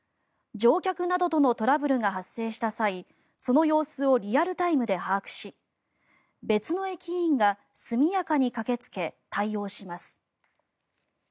乗客などとのトラブルが発生した際その様子をリアルタイムで把握し別の駅員が速やかに駆けつけ対応します。